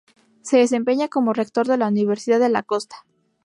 Se desempeña como rector de la Universidad de la Costa.